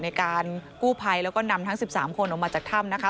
ในการกู้ภัยแล้วก็นำทั้ง๑๓คนออกมาจากถ้ำนะคะ